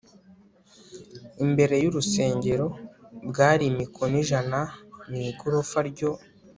imbere y urusengero bwari imikono ijana Mu igorofa ryo